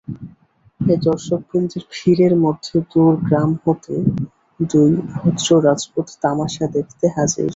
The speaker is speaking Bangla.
এ দর্শকবৃন্দের ভিড়ের মধ্যে দূর গ্রাম হতে দুই ভদ্র রাজপুত তামাসা দেখতে হাজির।